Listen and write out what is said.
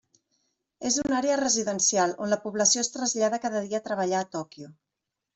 És una àrea residencial, on la població es trasllada cada dia a treballar a Tòquio.